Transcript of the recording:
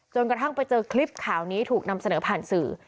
กระทั่งไปเจอคลิปข่าวนี้ถูกนำเสนอผ่านสื่อ